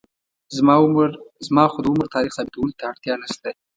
زما خو د عمر تاریخ ثابتولو ته اړتیا نشته.